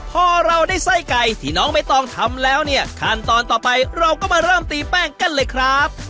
พอเราได้ไส้ไก่ที่น้องใบตองทำแล้วเนี่ยขั้นตอนต่อไปเราก็มาเริ่มตีแป้งกันเลยครับ